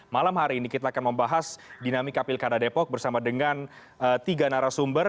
malam hari ini kita akan membahas dinamika pilkada depok bersama dengan tiga narasumber